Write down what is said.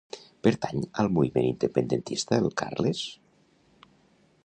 Pertany al moviment independentista el Carles?